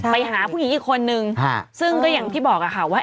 ไปหาผู้หญิงอีกคนนึงซึ่งก็อย่างที่บอกค่ะว่า